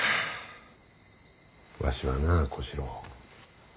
わしはな小四郎。